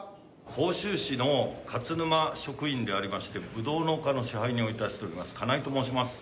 甲州市の勝沼職員でありましてぶどうの丘の支配人を致しております金井と申します。